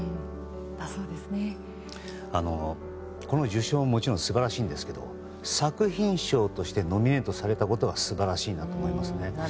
この受賞ももちろん素晴らしいんですが作品賞としてノミネートされたことが素晴らしいんだと思いますね。